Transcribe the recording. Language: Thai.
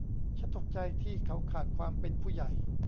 ฉันตกใจที่เขาขาดความเป็นผู้ใหญ่